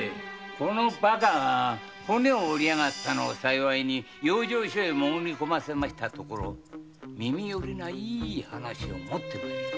このバカが骨を折ったのを幸いに養生所へ潜りこませたところ耳よりな話をもってきやした。